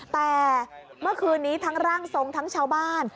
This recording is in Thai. แต่เมื่อคืนนี้ทั้งร่างทรงทั้งชาวบ้าน